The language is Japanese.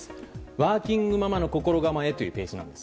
ワーキングママの心構えというページなんです。